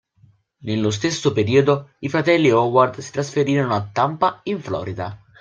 Nello stesso periodo i fratelli Howard si trasferirono a Tampa in Florida.